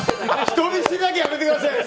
人見知りだけはやめてくださいよ！